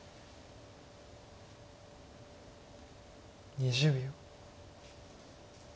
２０秒。